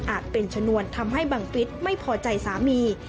เป็นชนวนทำให้บังฟิศไม่พอใจสามี